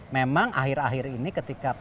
memang akhir akhir ini ketika pak yusuf